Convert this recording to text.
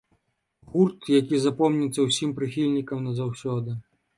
Гурт, які запомніцца ўсім прыхільнікам назаўсёды.